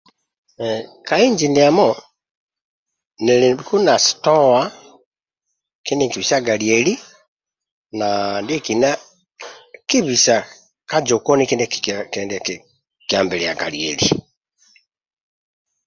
Ka inji ndiamo niliku na sitowa kindia nkibisaga lieli na ndiekina kibisa ka jokoni kindia kikie ambiliaga lieli